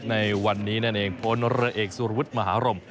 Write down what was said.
ในวันนี้พนเอกสุรวิทย์มหารม